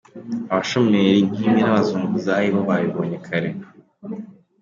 Abashomeri nkimwe nabazunguzayi bo babibonye kare.